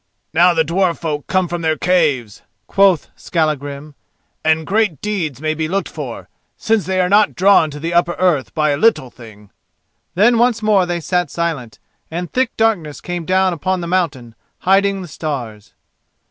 "Now the dwarf folk come from their caves," quoth Skallagrim, "and great deeds may be looked for, since they are not drawn to the upper earth by a little thing." Then once more they sat silent; and thick darkness came down upon the mountain, hiding the stars.